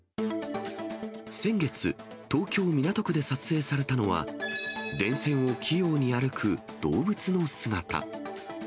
先月、東京・港区で撮影されたのは、電線を器用に歩く動物の姿。